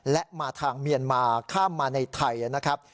และมาทางเมียนมาข้ามมาในไทยนะครับ